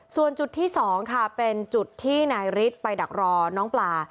ส่วนจุดที่๒ค่ะเป็นจุดที่นายฤทธิ์ไปดักรอน้องปลา